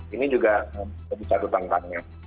ini juga satu tantangnya